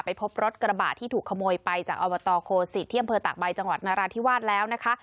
พบรถกระบะที่ถูกขโมยไปจากอบตโคสิตที่อำเภอตากใบจังหวัดนาราธิวาสแล้วนะคะ